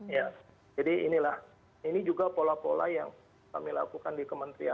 ya jadi inilah ini juga pola pola yang kami lakukan di kementerian